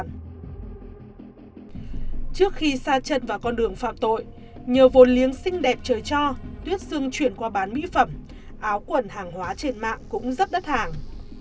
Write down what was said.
trước khi xa chân vào con đường phạm tội nhờ vồn liếng xinh đẹp trời cho tuyết sương chuyển qua bán mỹ phẩm áo quần hàng hóa trên mạng cũng dấp đất hàng